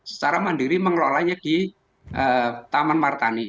secara mandiri mengelolanya di taman martani